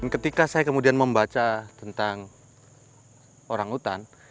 ketika saya kemudian membaca tentang orang utan